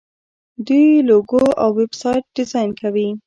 دوی لوګو او ویب سایټ ډیزاین کوي.